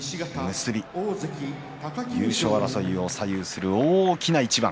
優勝争いを左右する大きな一番。